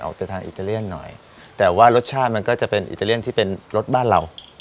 จากทางอิตาเลียนหน่อยแต่ว่ารสชาติมันก็จะเป็นอิตาเลียนที่เป็นรสบ้านเรา